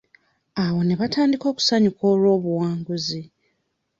Awo ne batandika okusanyuka olw'obuwanguzi.